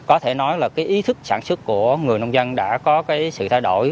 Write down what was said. có thể nói là cái ý thức sản xuất của người nông dân đã có cái sự thay đổi